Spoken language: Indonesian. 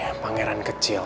pc pangeran kecil